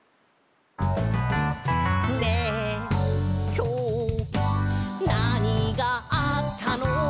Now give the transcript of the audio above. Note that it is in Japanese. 「ねえ、きょう、なにがあったの？」